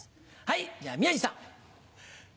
はいじゃ宮治さん。